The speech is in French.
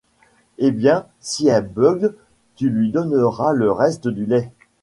Eh bien, si elle beugle, tu lui donneras le reste du lait.